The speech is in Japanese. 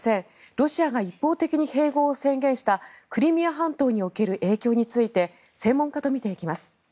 ロシアが一方的に併合を宣言したクリミア半島における影響について専門家と見ていきます。